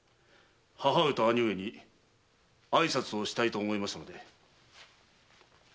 義母上と義兄上に挨拶をしたいと思いましたので。